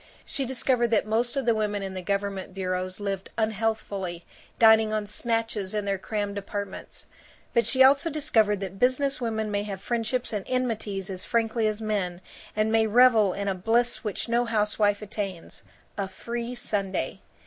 She discovered that most of the women in the government bureaus lived unhealthfully, dining on snatches in their crammed apartments. But she also discovered that business women may have friendships and enmities as frankly as men and may revel in a bliss which no housewife attains a free Sunday.